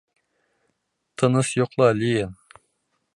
Тыныс йоҡла, Лиен!